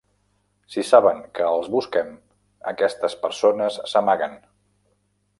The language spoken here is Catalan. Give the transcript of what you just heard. Si saben que els busquem, aquestes persones s'amaguen.